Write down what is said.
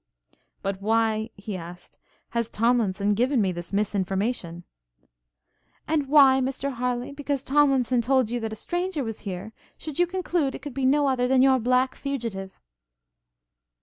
'But why,' he asked, 'has Tomlinson given me this misinformation?' 'And why, Mr Harleigh, because Tomlinson told you that a stranger was here, should you conclude it could be no other than your black fugitive?'